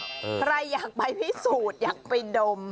ใครอยากไปพิสูจน์อยากไปดม